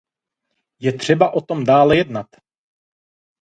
Je třeba o tom dále jednat.